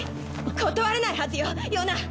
断れないはずよヨナ！